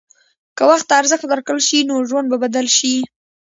که وخت ته ارزښت ورکړل شي، نو ژوند به بدل شي.